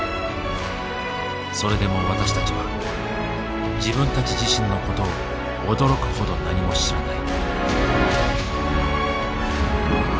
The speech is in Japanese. それでも私たちは自分たち自身のことを驚くほど何も知らない。